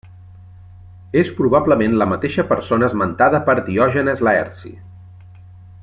És probablement la mateixa persona esmentada per Diògenes Laerci.